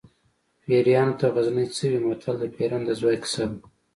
پیریانو ته غزني څه وي متل د پیریانو د ځواک کیسه ده